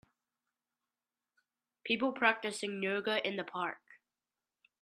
People practicing yoga in the park.